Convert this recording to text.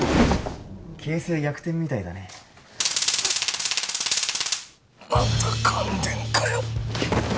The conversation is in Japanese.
形勢逆転みたいだねまた感電かよ